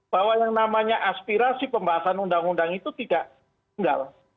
bahwa yang namanya aspirasi pembahasan undang undang itu tidak tinggal